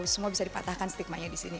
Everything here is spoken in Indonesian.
semua bisa dipatahkan stigma nya di sini